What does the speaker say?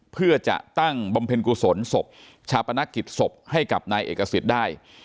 เพื่อจะตั้งบำเพ็ญกุศลศพชาปนกิจศพให้กับนายเอกสิทธิ์ได้